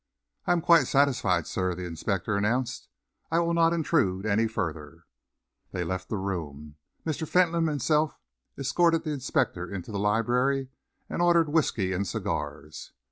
"I am quite satisfied, sir," the inspector announced. "I will not intrude any further." They left the room. Mr. Fentolin himself escorted the inspector into the library and ordered whisky and cigars.